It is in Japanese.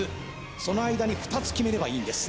その間に２つきめればいいんです